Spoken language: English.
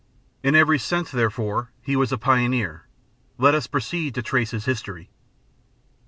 In every sense, therefore, he was a pioneer: let us proceed to trace his history.